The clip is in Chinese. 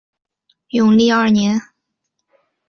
永历二年。